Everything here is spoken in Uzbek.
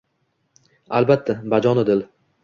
Albatta, bajonu dil.